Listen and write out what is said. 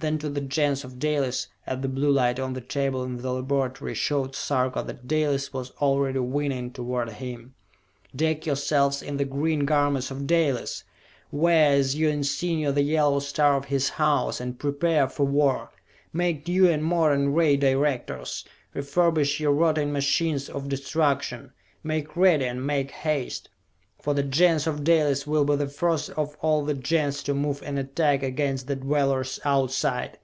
Then to the Gens of Dalis, as the blue light on the table in the laboratory showed Sarka that Dalis was already winging toward him: "Deck yourselves in the green garments of Dalis! Wear as your insignia the yellow star of his House, and prepare for war! Make new and modern Ray Directors! Refurbish your rotting machines of destruction! Make ready, and make haste! For the Gens of Dalis will be the first of all the Gens to move in attack against the Dwellers Outside!